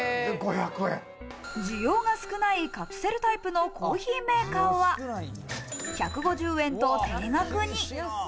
需要が少ないカプセルタイプのコーヒーメーカーは１５０円と低額に。